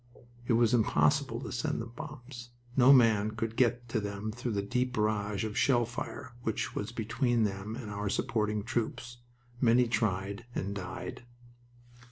It was impossible to send them bombs. No men could get to them through the deep barrage of shell fire which was between them and our supporting troops. Many tried and died.